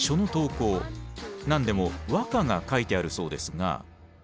何でも和歌が書いてあるそうですが。